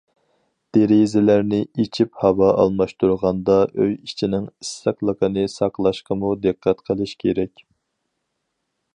دېرىزىلەرنى ئېچىپ ھاۋا ئالماشتۇرغاندا ئۆي ئىچىنىڭ ئىسسىقلىقىنى ساقلاشقىمۇ دىققەت قىلىش كېرەك.